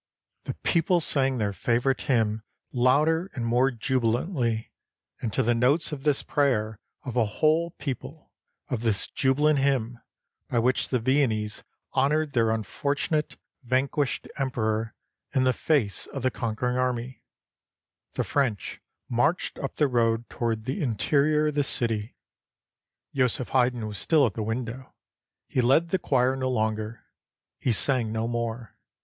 The people sang their favorite hymn louder and more jubilantly, and to the notes of this prayer of a whole peo ple, of this jubilant hymn, by which the Viennese hon ored their unfortunate, vanquished emperor in the face of the conquering army, the French marched up the road toward the interior of the city. Joseph Haydn was still at the window; he led the choir no longer ; he sang no more.